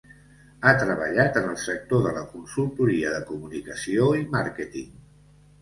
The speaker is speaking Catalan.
Ha treballat en el sector de la consultoria de comunicació i màrqueting.